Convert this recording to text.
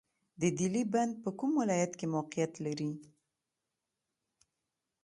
د دهلې بند په کوم ولایت کې موقعیت لري؟